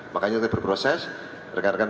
makanya tadi berproses rekan rekan